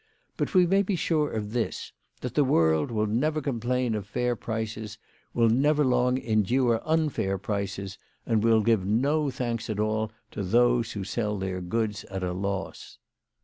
But we may be sure of this, that the world will never complain of fair prices, will never long endure unfair prices, and will give no thanks at all to those who sell their goods at a loss."